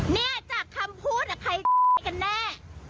เนี่ยจากคำพูดใครกันแน่